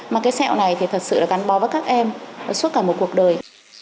mà cái sẹo này thì thật sự là gắn bó với các em suốt cả một cuộc đời